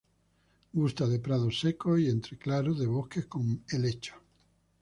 Gusta de prados secos y entre claros de bosque con helechos.